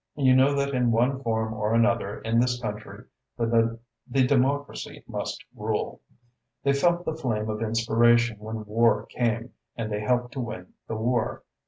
You know that in one form or another in this country the democracy must rule. They felt the flame of inspiration when war came and they helped to win the war.